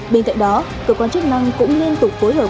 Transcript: bên cạnh đó cơ quan chức năng cũng liên tục phối hợp